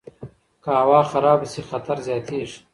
که هوا خرابه شي، خطر زیاتیږي.